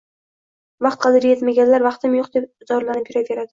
Vaqt qadriga etmaganlar “vaqtim yo‘q” deb zorlanib yuraveradi.